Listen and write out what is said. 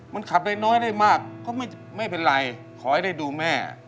มันขับได้น้อยได้มากก็ไม่เป็นไรขอให้ได้ดูแม่